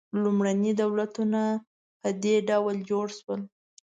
لومړني دولتونه په دې ډول جوړ شول.